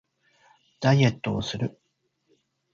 ダイエットをする